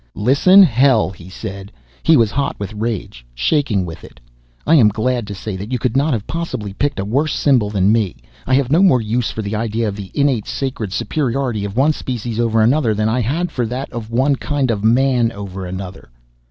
"Listen, hell," he said. He was hot with rage, shaking with it. "I am glad to say that you could not possibly have picked a worse symbol than me. I have no more use for the idea of the innate sacred superiority of one species over another than I had for that of one kind of man over another."